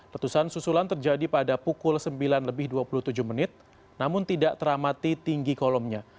letusan susulan terjadi pada pukul sembilan lebih dua puluh tujuh menit namun tidak teramati tinggi kolomnya